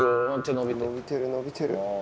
伸びてる伸びてる。